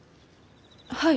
はい。